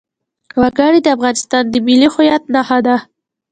وګړي د افغانستان د ملي هویت نښه ده.